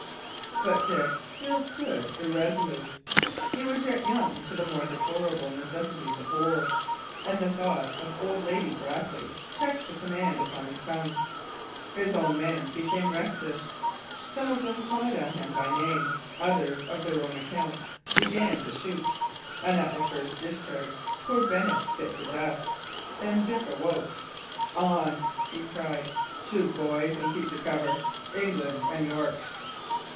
But Dick still stood irresolute; he was yet young to the more deplorable necessities of war, and the thought of old Lady Brackley checked the command upon his tongue. His own men became restive. Some of them cried on him by name; others, of their own accord, began to shoot; and at the first discharge poor Bennet bit the dust. Then Dick awoke. "On!" he cried. "Shoot, boys, and keep to cover. England and York!"